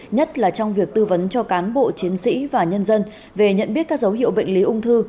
nhất là trong việc tư vấn cho cán bộ chiến sĩ và nhân dân về nhận biết các dấu hiệu bệnh lý ung thư